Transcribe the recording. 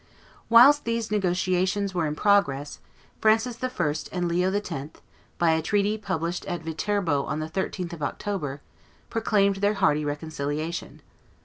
Whilst these negotiations were in progress, Francis I. and Leo X., by a treaty published at Viterbo on the 13th of October, proclaimed their hearty reconciliation.